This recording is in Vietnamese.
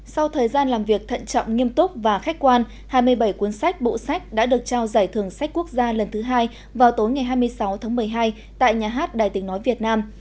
sau thời gian làm việc thận trọng nghiêm túc và khách quan hai mươi bảy cuốn sách bộ sách đã được trao giải thưởng sách quốc gia lần thứ hai vào tối ngày hai mươi sáu tháng một mươi hai tại nhà hát đài tiếng nói việt nam